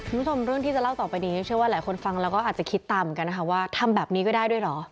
ทุบทมเรื่องที่จะเล่าต่อไปค่ะว่าหลายคนฟังแล้วก็อาจจะคิดตามกันว่าทำแบบนี้ก็ได้ด้วยเหรอ